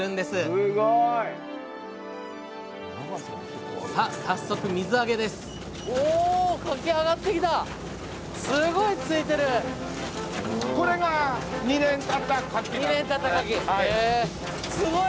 すごい！さあ早速水揚げですすごい！